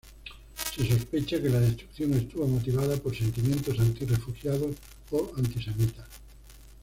Se sospecha que la destrucción estuvo motivada por sentimientos anti-refugiados o antisemitas.